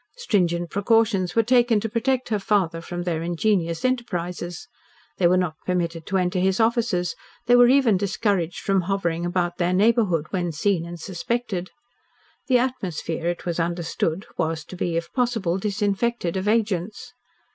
Stringent precautions were taken to protect her father from their ingenuous enterprises. They were not permitted to enter his offices; they were even discouraged from hovering about their neighbourhood when seen and suspected. The atmosphere, it was understood, was to be, if possible, disinfected of agents.